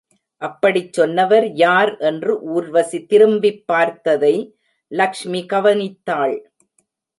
அப்படிச் சொன்னவர் யார் என்று ஊர்வசி திரும்பிப் பார்த்ததை லக்ஷ்மி கவனித்தாள்.